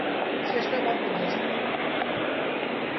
শেষটায় মত বদলেছেন।